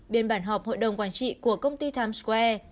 biên bản họp hội đồng quản trị của công ty times square